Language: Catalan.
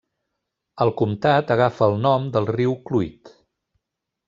El comtat agafa el nom del riu Clwyd.